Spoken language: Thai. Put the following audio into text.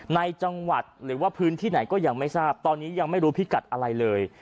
ในจังหวัดหรือว่าพื้นที่ไหนก็ยังไม่ทราบตอนนี้ยังไม่รู้พิกัดอะไรเลย